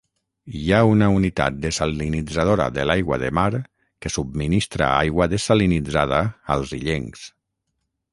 Hi ha una unitat dessalinitzadora de l'aigua de mar que subministra aigua dessalinitzada als illencs.